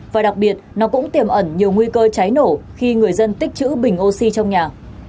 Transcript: và đặc biệt nó cũng tiềm ẩn nhiều nguy cơ cháy nổ khi người dân tích chữ bình oxy trong nhà